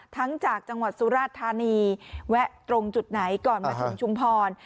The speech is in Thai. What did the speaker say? จากจังหวัดสุราธานีแวะตรงจุดไหนก่อนมาถึงชุมพร